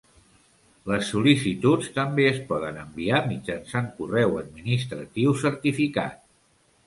Les sol·licituds també es poden enviar mitjançant correu administratiu certificat.